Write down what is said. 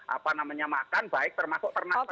apa namanya makan baik termasuk pernak pernak